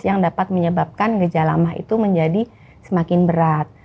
yang dapat menyebabkan gejala ma itu menjadi semakin berat